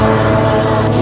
baik ayahanda prabu